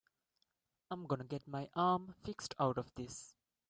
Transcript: I'm gonna get my arm fixed out of this.